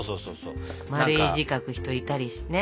丸い字書く人いたりね。